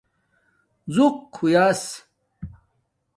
ژُق ہݸس